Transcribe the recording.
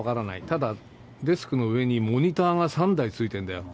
ただ、デスクの上にモニターが３台ついてるんだよ。